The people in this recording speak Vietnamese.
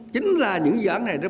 chính là những dự án này rất quan trọng